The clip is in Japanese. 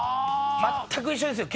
全く一緒ですよ